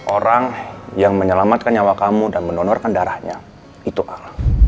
orang yang menyelamatkan nyawa kamu dan mendonorkan darahnya itu a